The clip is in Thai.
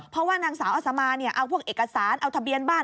เพราะว่านางสาวอสมาเอาพวกเอกสารเอาทะเบียนบ้าน